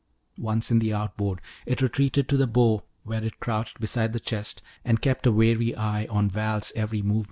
Once in the outboard, it retreated to the bow where it crouched beside the chest and kept a wary eye on Val's every movement.